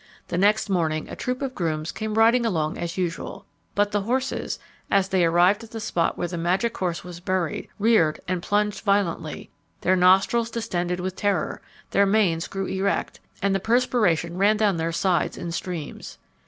The next morning a troop of grooms came riding along as usual; but the horses, as they arrived at the spot where the magic horse was buried, reared and plunged violently their nostrils distended with terror their manes grew erect, and the perspiration ran down their sides in streams.